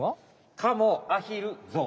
カモアヒルゾウ。